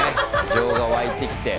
情が湧いてきて。